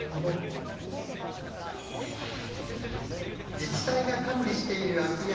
自治体が管理している空き家